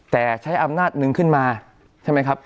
แต่ใช้อำนาจหนึ่งขึ้นมาใช่ไหมครับ